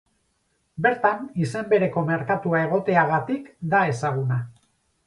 Bertan izen bereko merkatua egoteagatik da ezaguna.